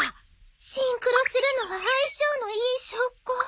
シンクロするのは相性のいい証拠。